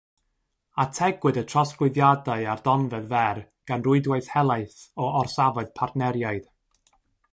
Ategwyd y trosglwyddiadau ar donfedd fer gan rwydwaith helaeth o orsafoedd partneriaid.